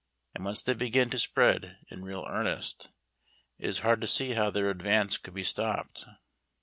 And once they begin to spread in real earnest, it is hard to see how their advance could be stopped.